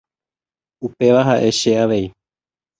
Upéva ha'e che avei.